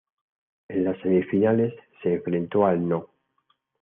En las semifinales, se enfrentó al No.